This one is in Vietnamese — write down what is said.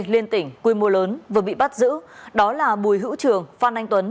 liên tỉnh quy mô lớn vừa bị bắt giữ đó là bùi hữu trường phan anh tuấn